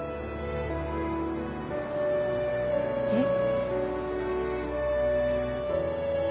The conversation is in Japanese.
えっ？